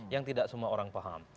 yang tidak semua orang paham